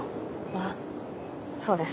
あっそうです。